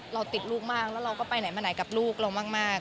ติดลูกมากแล้วเราก็ไปไหนมาไหนกับลูกเรามาก